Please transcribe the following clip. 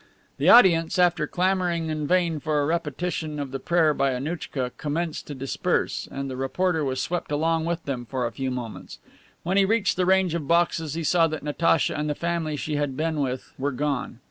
The audience, after clamoring in vain for a repetition of the prayer by Annouchka, commenced to disperse, and the reporter was swept along with them for a few moments. When he reached the range of boxes he saw that Natacha and the family she had been with were gone.